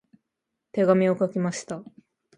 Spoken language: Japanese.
手紙を書きました。